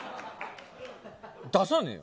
出さねえよ。